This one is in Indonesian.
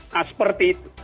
nah seperti itu